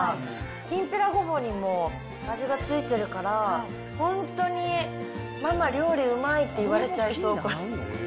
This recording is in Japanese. きんぴらごぼうにも味が付いてるから、本当にママ、料理うまいって言われちゃいそう。